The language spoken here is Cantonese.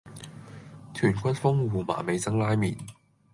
豚骨風胡麻味噌拉麵